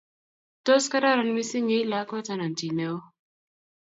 Tos, gararan missing Ii lakwet anan chii neo?